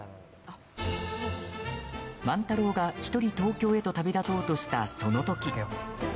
万太郎が１人東京へと旅立とうとした、その時。